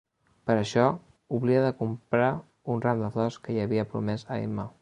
Per això, oblida de comprar un ram de flors que hi havia promès a Emma.